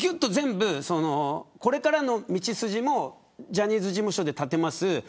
これからの道筋もジャニーズ事務所で立てます。